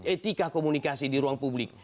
etika komunikasi di ruang publik